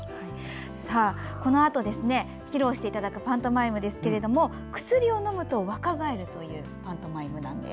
このあと披露していただくパントマイムですが薬を飲むと若返るというパントマイムなんです。